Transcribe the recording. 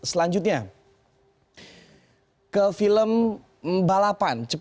selanjutnya ke film balapan